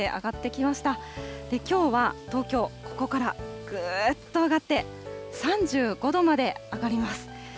きょうは東京、ここからぐーっと上がって、３５度まで上がります。